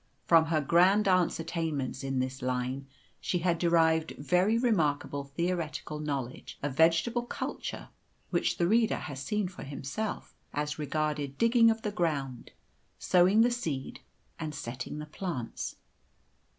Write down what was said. From her grand aunt's attainments in this line she had derived very remarkable theoretical knowledge of vegetable culture (which the reader has seen for himself), as regarded digging of the ground, sowing the seed, and setting the plants.